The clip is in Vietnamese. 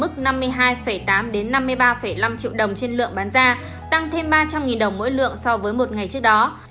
mức năm mươi hai tám năm mươi ba năm triệu đồng trên lượng bán ra tăng thêm ba trăm linh đồng mỗi lượng so với một ngày trước đó